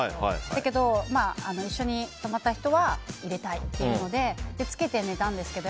だけど、一緒に泊まった人は入れたいと言うのでつけて寝たんですけど